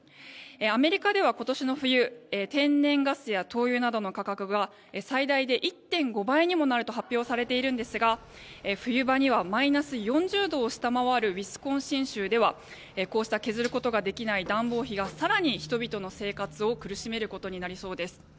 アメリカでは今年の冬天然ガスや灯油などの価格が最大で１．５倍にもなると発表されているんですが冬場にはマイナス４０度を下回るウィスコンシン州ではこうした削ることができない暖房費が更に人々の生活を苦しめることになりそうです。